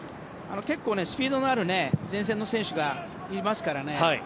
結構スピードのある前線の選手がいますからね。